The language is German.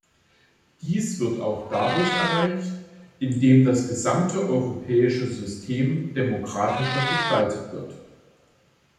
Dies wird auch dadurch erreicht, indem das gesamte europäische System demokratischer gestaltet wird.